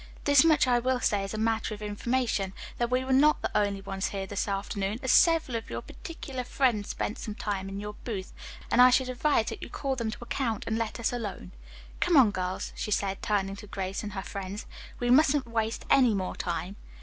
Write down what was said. "This much I will say as a matter of information, that we were not the only ones here this afternoon, as several of your particular friends spent some time in your booth, and I should advise that you call them to account and let us alone. Come on, girls," she said, turning to Grace and her friends, "we mustn't waste any more time."